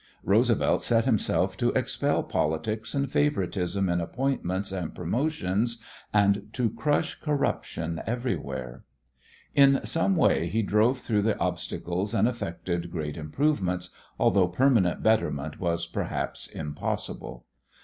Roosevelt set himself to expel politics and favoritism in appointments and promotions and to crush corruption everywhere. In some way he drove through the obstacles and effected great improvements, although permanent betterment was perhaps impossible.